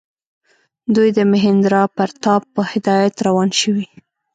دوی د مهیندراپراتاپ په هدایت روان شوي.